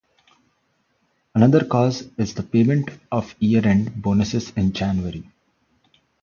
Another cause is the payment of year end bonuses in January.